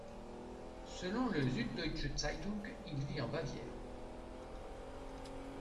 Selon le Süddeutsche Zeitung, il vit en Bavière.